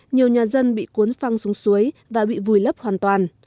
nhiều nhà dân bị cuốn phăng xuống suối và bị vùi lấp hoàn toàn